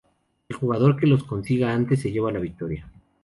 El jugador que los consiga antes, se lleva la victoria.